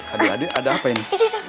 adik adik ada apa ini